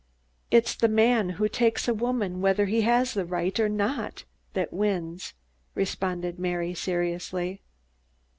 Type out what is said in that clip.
"It's the man who takes a woman, whether he has the right or not, that wins," responded Mary seriously.